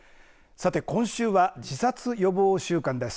さて今週は自殺予防週間です。